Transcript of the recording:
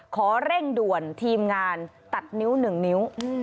ขอเร่งด่วนทีมงานตัดนิ้ว๑นิ้ว